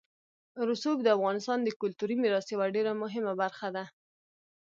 رسوب د افغانستان د کلتوري میراث یوه ډېره مهمه برخه ده.